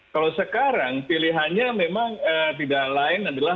kalau sekarang pilihannya memang tidak lain adalah